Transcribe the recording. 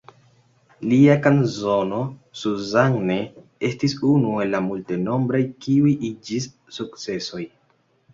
Lia kanzono "Suzanne" estis unu el la multenombraj, kiuj iĝis sukcesoj.